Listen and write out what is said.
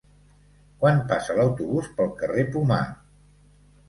Quan passa l'autobús pel carrer Pomar?